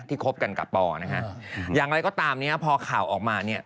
คบกันกับปอนะฮะอย่างไรก็ตามเนี่ยพอข่าวออกมาเนี่ย